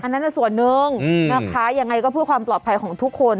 นั่นส่วนหนึ่งนะคะยังไงก็เพื่อความปลอดภัยของทุกคน